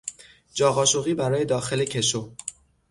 جا قاشقی برای داخل کشو